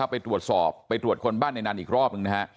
ไปตรวจสอบไปตรวจคนบ้านในนั้นอีกรอบหนึ่งนะฮะ